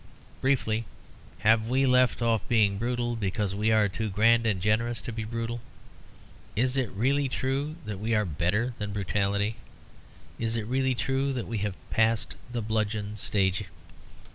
Briefly, have we left off being brutal because we are too grand and generous to be brutal? Is it really true that we are better than brutality? Is it really true that we have passed the bludgeon stage?